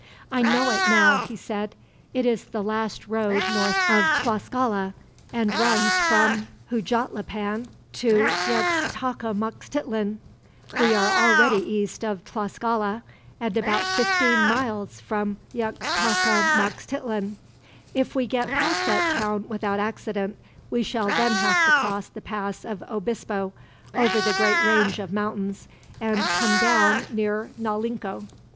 "I know it, now," he said. "It is the last road north of Tlascala, and runs from Huejotlipan to Yxtacamaxtitlan. We are already east of Tlascala, and about fifteen miles from Yxtacamaxtitlan. If we get past that town without accident, we shall then have to cross the Pass of Obispo, over the great range of mountains, and come down near Naulinco.